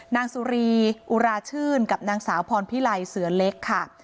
นางสุรีอุราชื่นกับนางสาวพรพิไลเสือเล็กค่ะ